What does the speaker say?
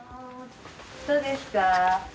どうですか？